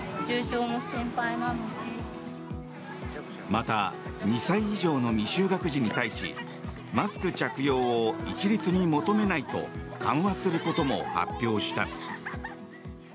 また２歳以上の未就学児に対しマスク着用を一律に求めないと緩和することも発表した。